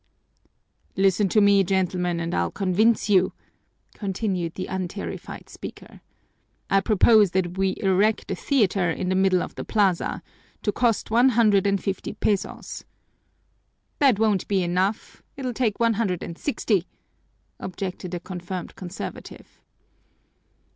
"Listen to me, gentlemen, and I'll convince you," continued the unterrified speaker. "I propose that we erect a theater in the middle of the plaza, to cost one hundred and fifty pesos." "That won't be enough! It'll take one hundred and sixty," objected a confirmed conservative.